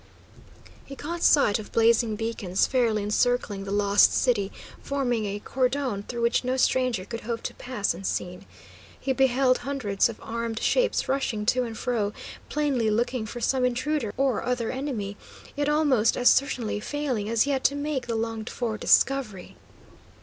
He caught sight of blazing beacons fairly encircling the Lost City, forming a cordon through which no stranger could hope to pass unseen. He beheld hundreds of armed shapes rushing to and fro, plainly looking for some intruder or other enemy, yet almost as certainly failing as yet to make the longed for discovery.